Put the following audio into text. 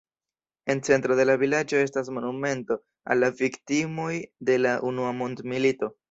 En centro de la vilaĝo estas monumento al la viktimoj de la unua mondmilito.